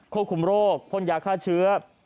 ควบคุมโรคพ่นยาฆ่าเชื้อ